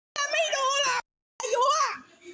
ก็พอกันแหละ